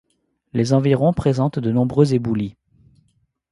Les environs présentent de nombreux éboulis.